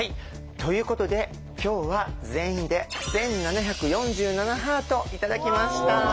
ということで今日は全員で１，７４７ハート頂きました。